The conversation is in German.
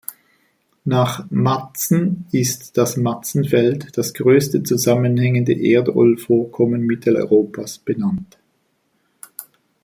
Nach Matzen ist das „Matzen-Feld“, das größte zusammenhängende Erdölvorkommen Mitteleuropas, benannt.